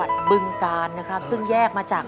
ถูกหรือไม่ถูก